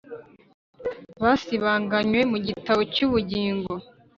Basibanganywe mu gitabo cy ubugingo